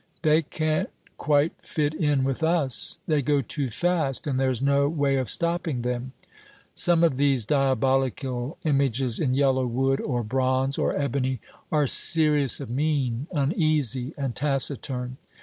"They can't quite fit in with us. They go too fast and there's no way of stopping them." Some of these diabolical images in yellow wood or bronze or ebony are serious of mien, uneasy, and taciturn.